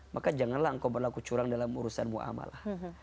maka janganlah engkau berlaku curang dalam urusanmu amalah